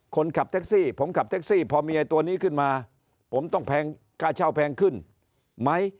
คนขับแท็กซี่ผมขับแท็กซี่พอเมียตัวนี้ขึ้นมาผมต้องแพงค่าเช่าแพงขึ้นไหม